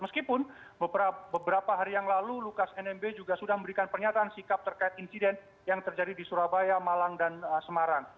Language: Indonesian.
meskipun beberapa hari yang lalu lukas nmb juga sudah memberikan pernyataan sikap terkait insiden yang terjadi di surabaya malang dan semarang